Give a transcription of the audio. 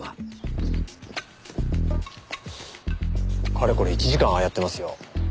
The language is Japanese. かれこれ１時間ああやってますよ。